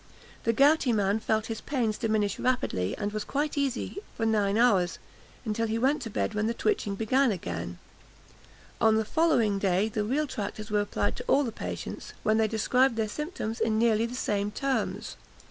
The gouty man felt his pains diminish rapidly, and was quite easy for nine hours, until he went to bed, when the twitching began again. On the following day the real tractors were applied to all the patients, when they described their symptoms in nearly the same terms.